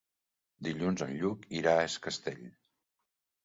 Dilluns en Lluc irà a Es Castell.